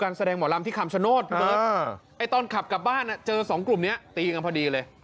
การแสดงหมอรัมที่ขำชะโนธตอนขับกลับบ้านเจอสองกลุ่มนี้ตีกันพอดีเลย